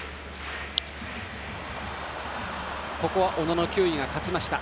小野の球威が勝ちました。